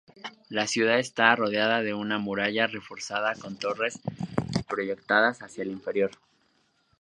La ciudad estaba rodeada de una muralla reforzada con torres proyectadas hacia el interior.